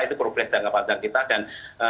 itu progres tanggapan kita dan